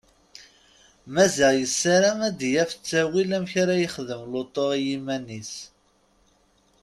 Maziɣ yessaram ad yaf ttawil amek ara ixdem lutu u yiman-is.